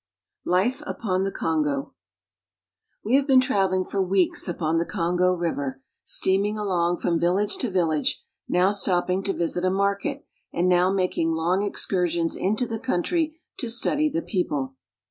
LIFE UPON THE KONGO WE have been traveling for weeks upon the Kongo River, steaming along from village to village, now stopping to visit a market, and now making long excur k)ns into the country to study the people.